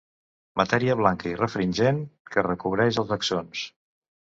Matèria blanca i refringent que recobreix els axons.